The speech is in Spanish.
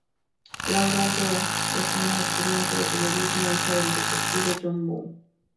Laura Bow es una estudiante de periodismo, hija del detective John Bow.